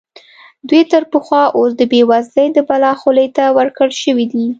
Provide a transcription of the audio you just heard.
دوی تر پخوا اوس د بېوزلۍ د بلا خولې ته ورکړل شوي دي.